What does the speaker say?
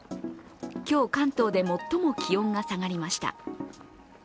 今日、関東で最も気温が下がりました。